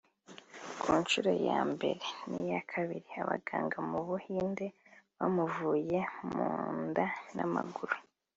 Ku nshuro ya mbere n’iya kabiri abaganga mu Buhinde bamuvuye mu nda n’amaguru